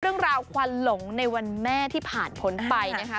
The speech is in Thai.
เรื่องราวควันหลงในวันแม่ที่ผ่านผลไปแล้วนะคะ